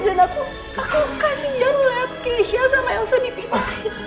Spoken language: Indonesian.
dan aku kasih jarum lewat keisha sama yang sedipisahin